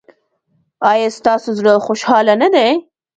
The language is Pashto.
ایا ستاسو زړه خوشحاله نه دی؟